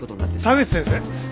田口先生。